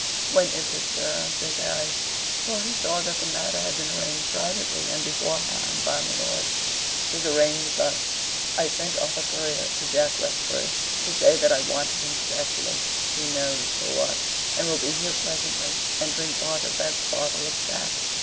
"When is it, sir?" says Harry, for he saw that the matter had been arranged privately and beforehand by my lord. "'Tis arranged thus: I sent off a courier to Jack Westbury to say that I wanted him specially. He knows for what, and will be here presently, and drink part of that bottle of sack.